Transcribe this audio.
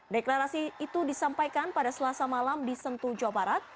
deklarasi itu disampaikan pada selasa malam di sentu jawa barat